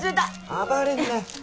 暴れんなよ。